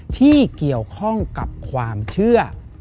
ที่เกี่ยวข้องกับความเชื่อ